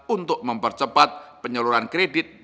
untuk mempercepat penyeluruhan kredit